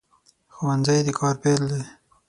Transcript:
ښوونځی د کار پیل دی